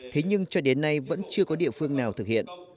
thế nhưng cho đến nay vẫn chưa có địa phương nào thực hiện